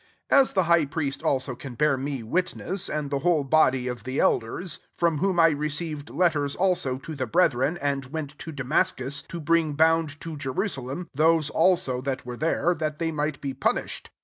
5 As the high'priest also can bear me witness, and the whole body of the elders : from whom I received letters also to the brethren, and went to Damas cus, to bring bound to Jerusa lem those also that were there, ^at they might be punished.